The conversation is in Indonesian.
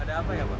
ada apa ya pak